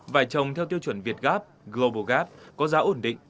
vải trồng theo tiêu chuẩn việt gap global gap có giá ổn định